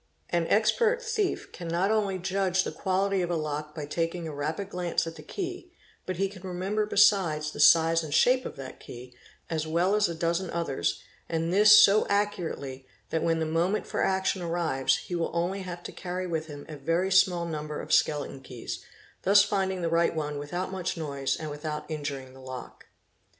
An expert thief can not only judge the quality of a lock by taking a rapid glance at "the key, but he can remember besides the size and shape of that key as well as a dozen others, and this so accurately that when the moment for action arrives he will only have to carry with him a very small number "of skeleton keys, thus finding the right one without much noise and without injuring the lock.